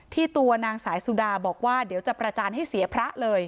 ตัวนางสายสุดาบอกว่าเดี๋ยวจะประจานให้เสียพระเลย